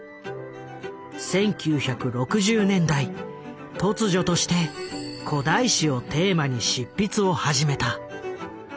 １９６０年代突如として古代史をテーマに執筆を始めた。